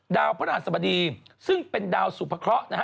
ดาวพระอาสบดีซึ่งเป็นดาวสุภะเคราะห์